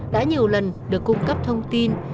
đã nhiều lần được cung cấp thông tin